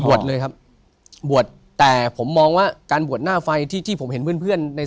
บวชเลยครับแต่ผมมองว่าการบวชหน้าไฟที่ผมเห็นเพื่อน